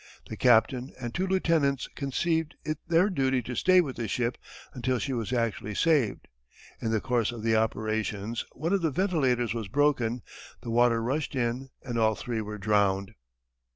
The captain and two lieutenants conceived it their duty to stay with the ship until she was actually saved. In the course of the operations one of the ventilators was broken, the water rushed in and all three were drowned.